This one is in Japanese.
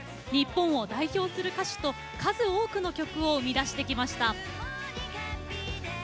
日本を代表する歌手と数多くの曲を生み出してきました。